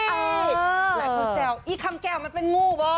หลายคนแซวอี้คำแก้วมันเป็นงูบ่